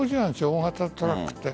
大型トラックって。